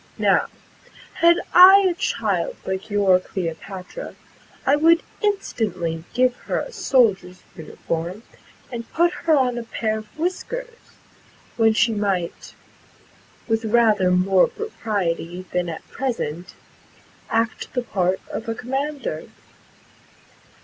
Now, had I a child like your Cleopatra, I would instantly give her a soldier's uniform, and put her on a pair of whiskers, when she might, with rather more propriety than at present, act the part of a commander."